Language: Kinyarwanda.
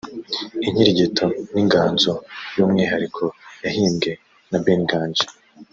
Inkirigito ni inganzo y’umwihariko yahimbwe na Ben Nganji